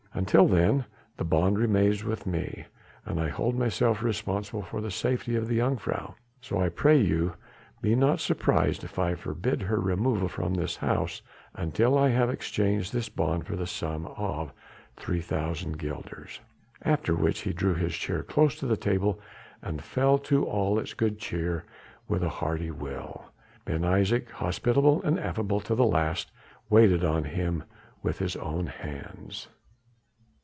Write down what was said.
Until then the bond remains with me, and I hold myself responsible for the safety of the jongejuffrouw. So I pray you be not surprised if I forbid her removal from this house until I have exchanged this bond for the sum of 3,000 guilders." After which he drew his chair close to the table, and fell to all its good cheer with a hearty will. Ben Isaje, hospitable and affable to the last, waited on him with his own hands.